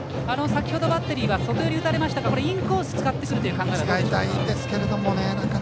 先程バッテリーは外寄りを打たれましたがインコースを使ってくるという考えでしょうか。